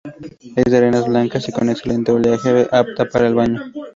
Es de arenas blancas y con excelente oleaje, apta para el baño.